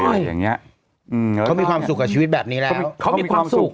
ใช่อย่างเงี้ยอืมเขามีความสุขกับชีวิตแบบนี้แล้วเขามีความสุข